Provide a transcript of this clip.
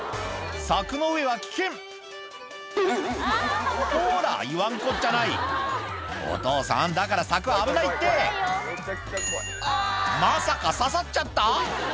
柵の上は危険ほら言わんこっちゃないお父さんだから柵は危ないってまさか刺さっちゃった⁉